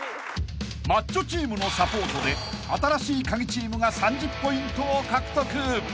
［マッチョチームのサポートで新しいカギチームが３０ポイントを獲得］